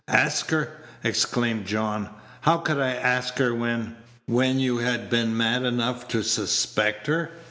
"Ask her!" exclaimed John; "how could I ask her when " "When you had been mad enough to suspect her.